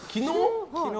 昨日？